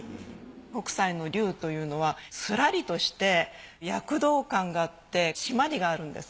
北斎の龍というのはスラリとして躍動感があって締まりがあるんです。